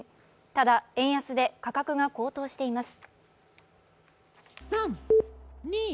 ただ、円安で価格が高騰しています